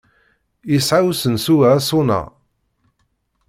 Yesɛa usensu-a aṣuna?